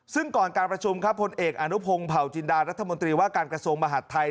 ซึ่งก่อนการประชุมครับผลเอกอนุพงศ์เผาจินดารัฐมนตรีว่าการกระทรวงมหาดไทย